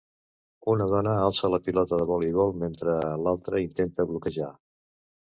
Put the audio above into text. Una dona alça la pilota de voleibol mentre l'altra intenta bloquejar.